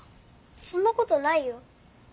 そんなことないよ。